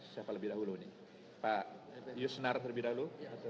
siapa lebih dahulu nih pak yusnar terlebih dahulu